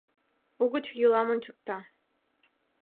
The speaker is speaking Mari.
Угыч йӱлам ончыкта.